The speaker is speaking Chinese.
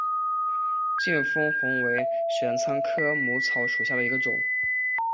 见风红为玄参科母草属下的一个种。